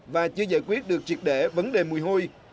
và chưa giải quyết được triệt để vấn đề mùi hôi